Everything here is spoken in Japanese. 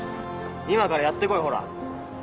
今からやってこいほら